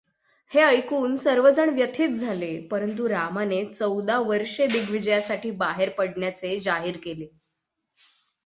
हे ऐकून सर्वजण व्यथित झाले, परंतु रामाने चौदा वर्षे दिग्विजयासाठी बाहेर पडण्याचे जाहीर केले.